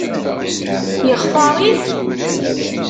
Yextaṛ-it?